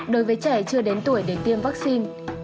đối với trẻ chưa đến tuổi để tiêm vaccine